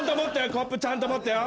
コップちゃんと持ってよ。